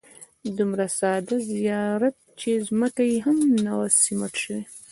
دومره ساده زیارت چې ځمکه یې هم نه وه سیمټ شوې.